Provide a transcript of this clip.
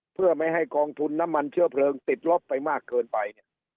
เพื่อไม่ให้กองทุนน้ำมันเชื้อเพลิงติดลบไปมากเกินไปเนี่ย